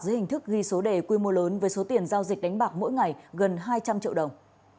dưới hình thức ghi số đề quy mô lớn với số tiền giao dịch đánh bạc mỗi ngày gần hai trăm linh triệu đồng